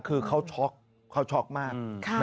คือเขาช็อกเขาช็อกมาก